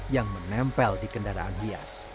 yang menempel di kendaraan hias